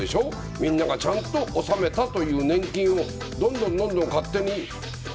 みんながちゃんと納めたという年金をどんどん勝手に。